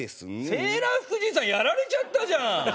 セーラー服じいさんやられちゃったじゃん。